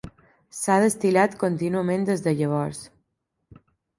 S'ha destil·lat contínuament des de llavors.